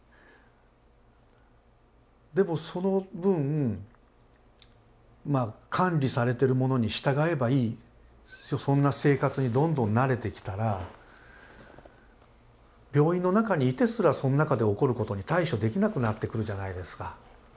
でもその分管理されてる者に従えばいいそんな生活にどんどん慣れてきたら病院の中にいてすらその中で起こることに対処できなくなってくるじゃないですか。